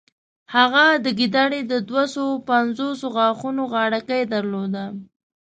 هغه د ګیدړې د دوهسوو پنځوسو غاښونو غاړکۍ درلوده.